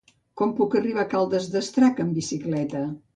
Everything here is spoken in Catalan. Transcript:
Com puc arribar a Caldes d'Estrac amb bicicleta?